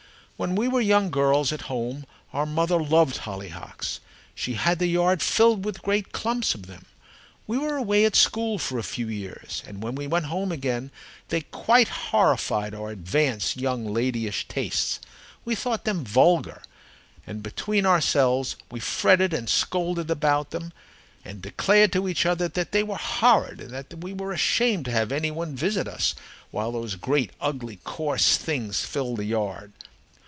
When we were young girls at home, our mother loved hollyhocks. She had the yard filled with great clumps of them. We were away at school for a few years and when we went home again they quite horrified our advanced, young ladyish taste. We thought them vulgar, and between ourselves we fretted and scolded about them and declared to each other that they were horrid, and that we were ashamed to have any one visit us while those great, ugly, coarse things filled the yard.